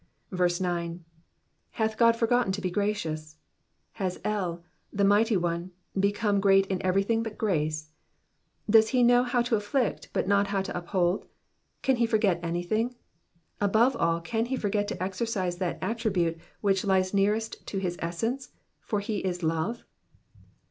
9. 2/af/4 God forgotten to he gracious V^ Has £1, the Mighty One, become great in everything but grace ? Does he know how to afilict, but not how to uphold ? Can he forget anything ? Above all, can he forget to exercise that attribute which lies nearest to his essence, for he is love?